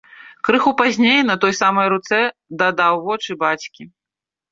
Крыху пазней на той самай руцэ дадаў вочы бацькі.